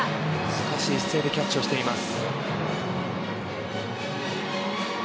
難しい姿勢でキャッチしています。